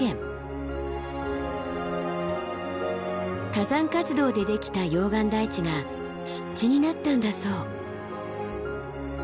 火山活動でできた溶岩台地が湿地になったんだそう。